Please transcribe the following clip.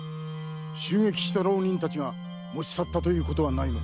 襲撃した浪人たちが持ちさったということは？